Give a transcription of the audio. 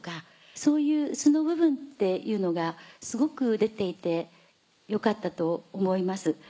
そういう素の部分っていうのがすごく出ていてよかったと思います。